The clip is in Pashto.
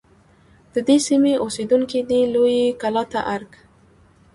د دې سیمې اوسیدونکي دی لویې کلا ته ارگ